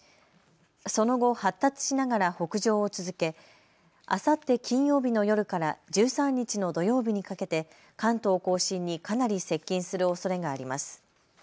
その後、発達しながら北上を続けあさって金曜日の夜から１３日の土曜日にかけて関東甲信にかなり接近するおそれがあります。